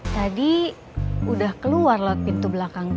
tadi udah keluar lewat pintu belakang